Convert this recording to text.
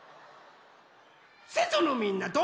瀬戸のみんなと。